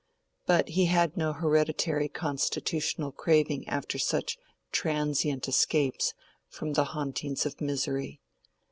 But he had no hereditary constitutional craving after such transient escapes from the hauntings of misery.